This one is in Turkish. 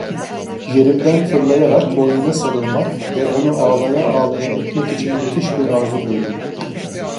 Yerimden fırlayarak boynuna sarılmak ve onu ağlaya ağlaya öpmek için müthiş bir arzu duydum.